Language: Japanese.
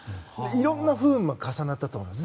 いろんな不運が重なったと思います。